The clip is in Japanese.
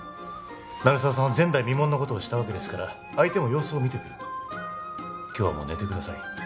鳴沢さんは前代未聞のことをしたわけですから相手も様子を見てくる今日はもう寝てください